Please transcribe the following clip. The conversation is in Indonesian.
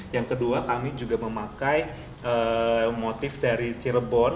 yang kedua kami juga memakai motif dari cirebon